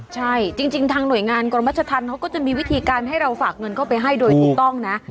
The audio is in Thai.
ใช่จริงทางหน่วยงานกรมรัชธรรมเขาก็จะมีวิธีการให้เราฝากเงินเข้าไปให้โดยถูกต้องนะ